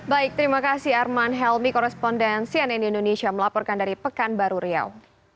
baik terima kasih arman helmi koresponden cnn indonesia melaporkan dari pekanbaru riau